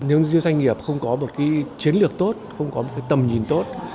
nếu doanh nghiệp không có một chiến lược tốt không có một tầm nhìn tốt